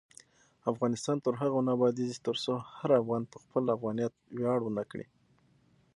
افغانستان تر هغو نه ابادیږي، ترڅو هر افغان په خپل افغانیت ویاړ ونه کړي.